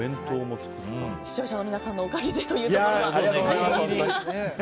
視聴者の皆さんのおかげでということでありますが。